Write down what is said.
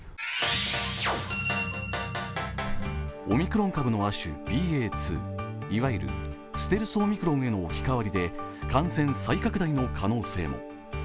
オミクロン株の亜種、ＢＡ．２、いわゆるステルスオミクロンへの置き換わりで感染再拡大の可能性。